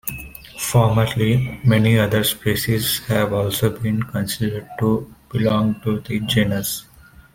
Formerly, many other species have also been considered to belong to the genus.